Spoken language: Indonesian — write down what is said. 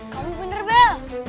kamu bener bel